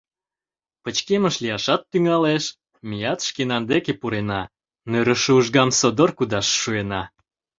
Пычкемыш лияшат тӱҥалеш, меат шкенан деке пурена, нӧрышӧ ужгам содор кудаш шуэна.